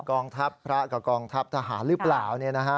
กองทัพพระกับกองทัพทหารหรือเปล่า